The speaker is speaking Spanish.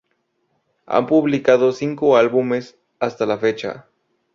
Han publicado cinco álbumes hasta la fecha.